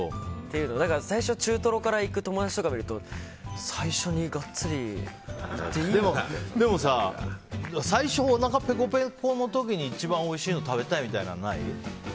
最初、中トロからいく友達とか見ると最初にガッツリでもさ、最初おなかペコペコの時に一番おいしいの食べたいみたいなのない？